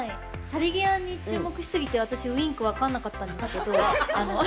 去り際に注目しすぎて私、ウインク分かんなかったんですけど。